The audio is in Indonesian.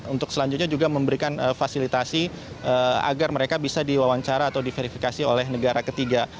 untuk selanjutnya juga memberikan fasilitasi agar mereka bisa diwawancara atau diverifikasi oleh negara ketiga